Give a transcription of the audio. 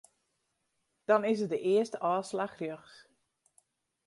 Dan is it de earste ôfslach rjochts.